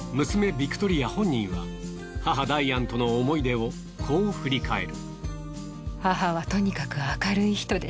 ビクトリア本人は母ダイアンとの思い出をこう振り返る。